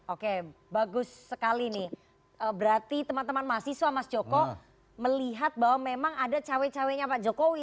oke bagus sekali nih berarti teman teman mahasiswa mas joko melihat bahwa memang ada cawe cawe nya pak jokowi